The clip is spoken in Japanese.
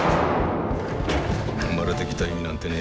生まれてきた意味なんてねえよ。